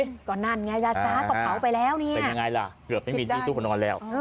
ชักออกเบาไปแล้วเป็นยังไงล่ะเกือบไม่มีที่สุขู่คนนอนแล้ว